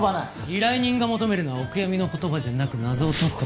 依頼人が求めるのはお悔やみの言葉じゃなく謎を解く事。